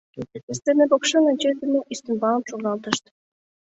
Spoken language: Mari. Сцене покшелне чес дене ӱстембалым шогалтышт.